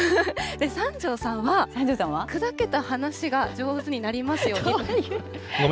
三條さんは、くだけた話が上手になりますようにと。